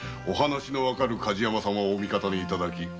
お話のわかる梶山様をお味方にいただき